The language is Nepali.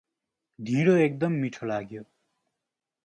ढिडो एकदम मिठो लाग्यो ।